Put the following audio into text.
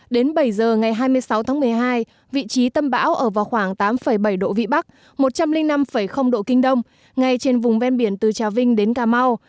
đến bảy h ngày hai mươi sáu tháng một mươi hai vị trí tâm bão ở vào khoảng tám bảy độ vn một trăm linh năm độ k ngay trên vùng ven biển từ trà vinh đến cà mau